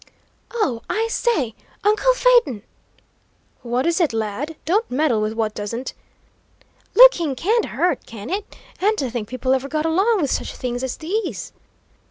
"Oh, I say, uncle Phaeton!" "What is it, lad? Don't meddle with what doesn't " "Looking can't hurt, can it? And to think people ever got along with such things as these!"